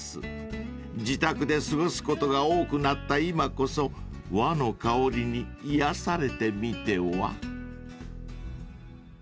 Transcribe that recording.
［自宅で過ごすことが多くなった今こそ和の香りに癒やされてみては？］